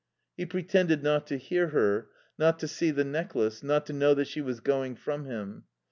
He pretended not to hear her, not to see the necklace, not to know that she was going from him.